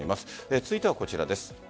続いてはこちらです。